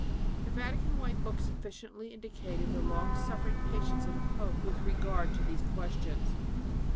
The Vatican White Book sufficiently indicated the long suffering patience of the pope with regard to these questions.